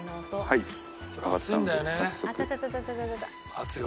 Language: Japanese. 熱い。